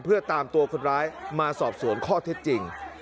เพื่อตามตัวคนร้ายมาสอบสวนข้อเท็จจริง